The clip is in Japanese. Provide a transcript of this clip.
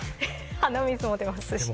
鼻水も出ますし。